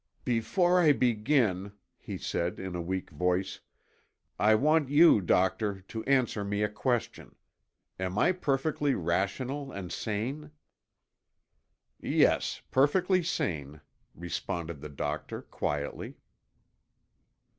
"Before I begin," he said, in a weak voice, "I want you, doctor, to answer me a question. Am I perfectly rational and sane?" "Yes, perfectly sane," responded the doctor, quietly.